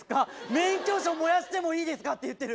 「免許証燃やしてもいいですか？」って言ってる。